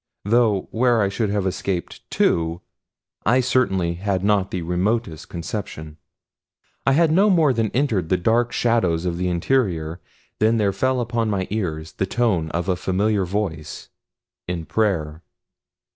Though where I should have escaped to I certainly had not the remotest conception. I had no more than entered the dark shadows of the interior than there fell upon my ears the tones of a familiar voice, in prayer.